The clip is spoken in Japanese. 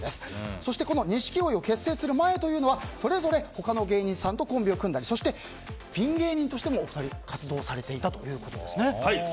そしてこの錦鯉を結成する前というのはそれぞれ、他の芸人さんとコンビを組んだりそしてピン芸人としても、お二人活動されていたということですね。